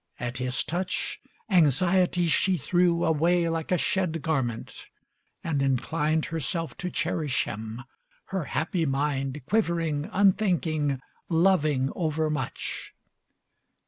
At his touch Anxiety she threw Away like a shed garment, and inclined Herself to cherish him, her happy mind Quivering, unthinking, loving overmuch.